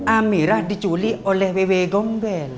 amirah diculik oleh wewe gombel